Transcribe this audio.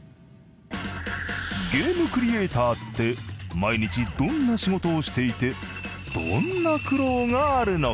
ゲームクリエイターって毎日どんな仕事をしていてどんな苦労があるのか？